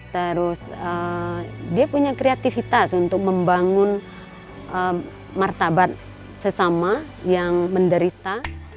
terus dia punya kreativitas untuk membangun martabat sesama yang menderita